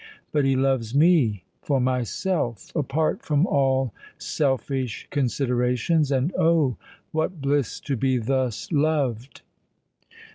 But he loves me for myself—apart from all selfish considerations: and, Oh! what bliss to be thus loved!"